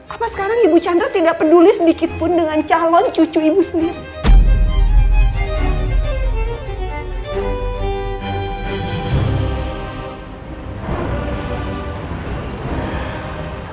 apa sekarang ibu chandra tidak peduli sedikit pun dengan calon cucu ibu sendiri